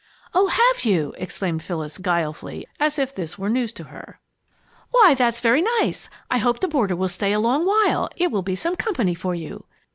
"Oh, have you!" exclaimed Phyllis, guilefully, as if it were all news to her. "Why, that's very nice. I hope the boarder will stay a long while. It will be some company for you."